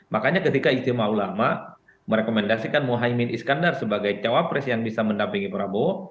makanya ketika istimewa ulama merekomendasikan mohaimin iskandar sebagai cawapres yang bisa mendampingi prabowo